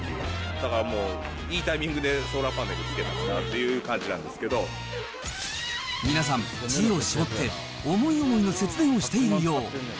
だからもういいタイミングでソーラーパネルつけたという感じなん皆さん、知恵を絞って思い思いの節電をしているよう。